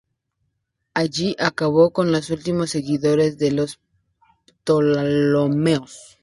Allí acabó con los últimos seguidores de los Ptolomeos.